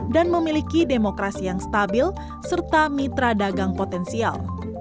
dan memiliki demokrasi yang stabil serta mitra dagang potensial